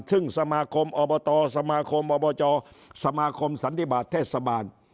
ซึ่งสมาคมอบตสมาคมอบจสมาคมสันติบาทเทศบาล